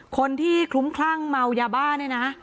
คนที่คลุมคลั่งเมายาบ้านะ